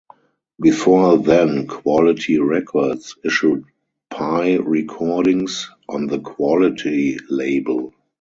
Before then, Quality Records issued Pye recordings on the Quality label.